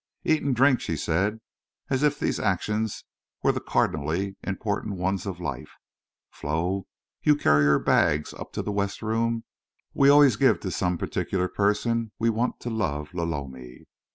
"Eat an' drink," she said, as if these actions were the cardinally important ones of life. "Flo, you carry her bags up to that west room we always give to some particular person we want to love Lolomi."